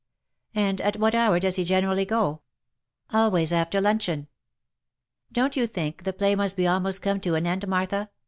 And at what hour does he generally go V " Always after luncheon." " Don't you think the play must be almost come to an end, Martha?"